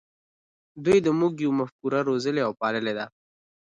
دوی د "موږ یو" مفکوره روزلې او پاللې ده.